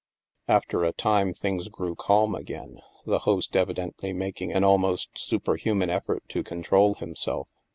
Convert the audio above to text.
After a time, things grew calm again, the host evidently making an almost superhuman effort to control himself.